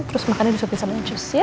terus makannya disuapin sama incus ya